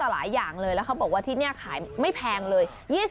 ในเวลาพระราชาญาและเขาบอกว่าที่นี้ขายไม่แพงเลย